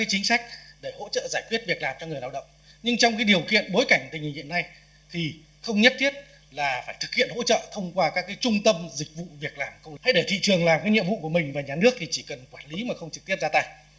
hãy để thị trường làm cái nhiệm vụ của mình và nhà nước thì chỉ cần quản lý mà không trực tiếp ra tài